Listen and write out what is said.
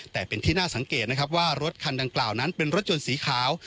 แต่เป็นที่น่าสังเกตนะครับว่ารถคันดังกล่าวนั้นเป็นรถยนต์สีขาว